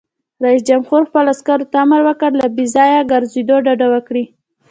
رئیس جمهور خپلو عسکرو ته امر وکړ؛ له بې ځایه ګرځېدو ډډه وکړئ!